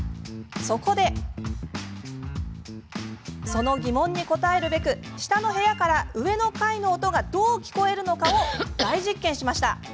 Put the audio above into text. そこで、その疑問に答えるべく下の部屋から上の階の音がどう聞こえるのかを大実験。